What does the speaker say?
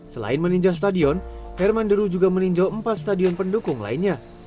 selain meninjau stadion herman deru juga meninjau empat stadion pendukung lainnya